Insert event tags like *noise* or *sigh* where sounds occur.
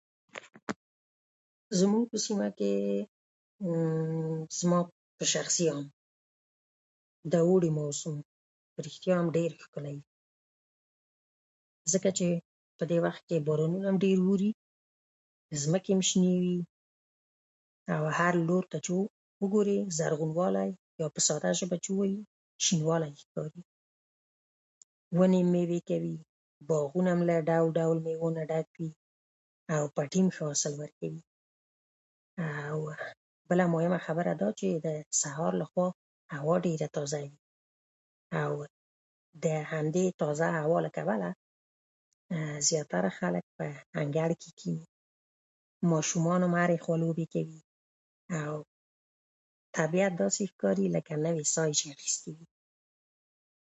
زموږ په سیمه کې *hesitation* زما په شخصي اند د اوړي موسم ریښتیا هم ډېر ښکلی، ځکه چې په دې وخت کې بارانونه هم ډېر اوري، ځمکې هم شنې وي، او هر لور ته چې وګورې، زرغونوالی یا په ساده ژبه چې ووايي شینوالی. ونې مېوې کوي، باغونه هم له ډول ډول مېوو څخه ډک وي، او پټي هم ښه حاصل ورکوي. او بله مهمه خبره دا چې د سهار لخوا هوا ډېره تازه وي، او د همدې تازه هوا له کبله زیاتره خلک په انګړ کې کېني. ماشومان هم هره خوا لوبې کوي، او طبیعت داسې ښکاري لکه نوې ساه یې چې اخیستې وي.